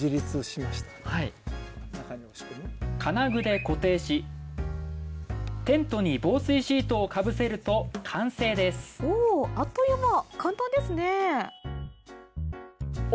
金具で固定しテントに防水シートをかぶせると完成ですお！